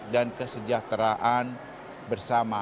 dan kesejahteraan bersama